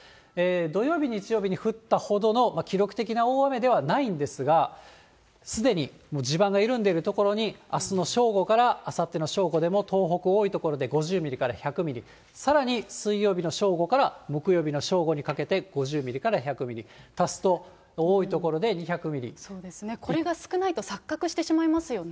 土曜日、日曜日に降ったほどの記録的な大雨ではないんですが、すでに、地盤が緩んでいる所に、あすの正午からあさっての正午でも東北、多い所で、５０ミリから１００ミリ、さらに水曜日の正午から木曜日の正午にかけて、５０ミリから１００ミリ、足すと、そうですね、これが少ないと錯覚してしまいますよね。